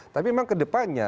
tapi memang ke depannya